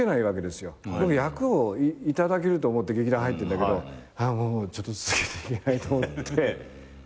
役を頂けると思って劇団入ったんだけどちょっと続けていけないと思って。